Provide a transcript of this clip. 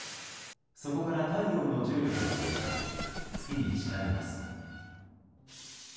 そこから太陽の重力を利用して月に近寄ります。